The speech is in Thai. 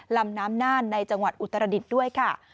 ลำน้ำน่านในจังหวัดอุตรดิษฐ์ด้วยค่ะ